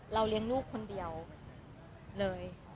เลี้ยงลูกคนเดียวเลย